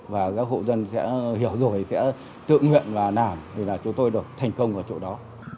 và các hộ dân sẽ hiểu rồi sẽ tự nguyện và làm thì là chúng tôi được thành công ở chỗ đó